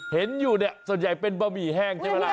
เห็นอยู่เนี่ยส่วนใหญ่เป็นบะหมี่แห้งใช่ไหมล่ะ